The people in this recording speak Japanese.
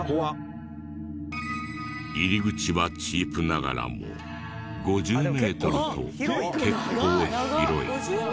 入り口はチープながらも５０メートルと結構広い。